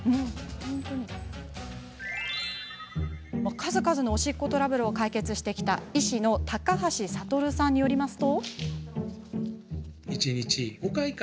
数々のおしっこトラブルを解決してきた医師の高橋悟さんによると。